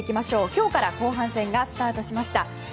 今日から後半戦がスタートしました。